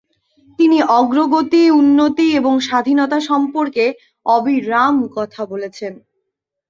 তিনি অগ্রগতি, উন্নতি এবং স্বাধীনতা সম্পর্কে অবিরাম কথা বলেছেন।